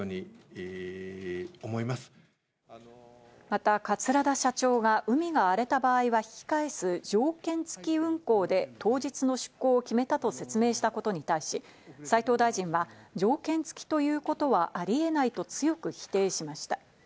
また桂田社長が海が荒れた場合は引き返す条件付き運航で当日の出港を決めたと説明したことに対し、斉藤大臣は条件付きということはあり得ないと強く否定しました。